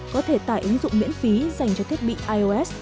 có thể tải ứng dụng miễn phí dành cho thiết bị ios